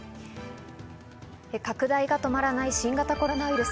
拡大が止まらない新型コロナウイルス。